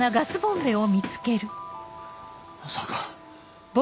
まさか。